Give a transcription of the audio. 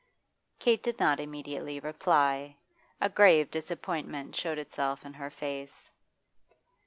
Kate did not immediately reply. A grave disappointment showed itself in her face.